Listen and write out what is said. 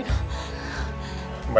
saya cuma sampai